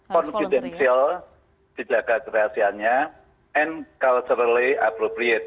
confidential dijaga kerasiannya and culturally appropriate